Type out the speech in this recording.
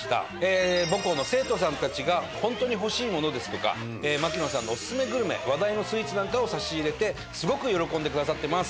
母校の生徒さんたちがホントに欲しいものですとか槙野さんのおすすめグルメ話題のスイーツなんかを差し入れてすごく喜んでくださってます。